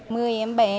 mười em bé